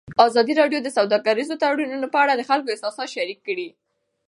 ازادي راډیو د سوداګریز تړونونه په اړه د خلکو احساسات شریک کړي.